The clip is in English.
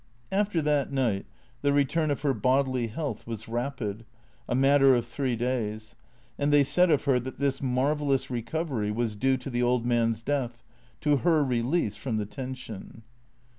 After that night the return of her bodily health was rapid, a matter of three days ; and they said of her that this marvellous recovery was due to the old man's death, to her release from the tension.